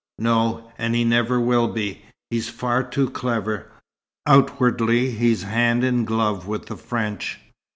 "No. And he never will be. He's far too clever. Outwardly he's hand in glove with the French.